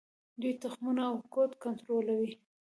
دوی تخمونه او کود کنټرولوي.